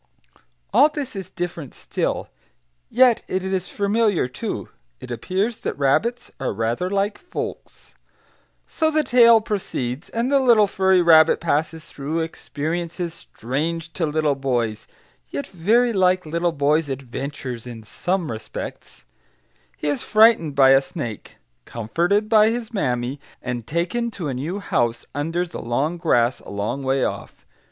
all this is different still, yet it is familiar, too; it appears that rabbits are rather like folks. So the tale proceeds, and the little furry rabbit passes through experiences strange to little boys, yet very like little boys' adventures in some respects; he is frightened by a snake, comforted by his mammy, and taken to a new house, under the long grass a long way off.